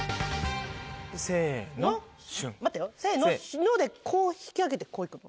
待ってよせのでこう引き上げてこういくの？